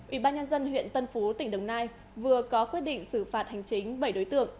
ủy ban nhân dân huyện tân phú tỉnh đồng nai vừa có quyết định xử phạt hành chính bảy đối tượng